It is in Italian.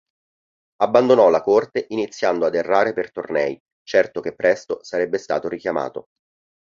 Abbandonò la corte iniziando ad errare per tornei certo che presto sarebbe stato richiamato.